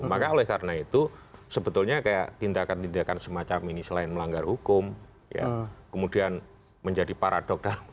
maka oleh karena itu sebetulnya kayak tindakan tindakan semacam ini selain melanggar hukum kemudian menjadi paradok dam